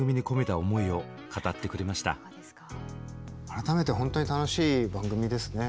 改めて本当に楽しい番組ですね。